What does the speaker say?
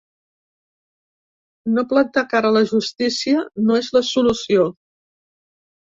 No plantar cara a la justícia no és la solució.